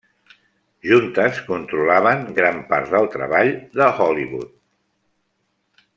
Juntes controlaven gran part del treball de Hollywood.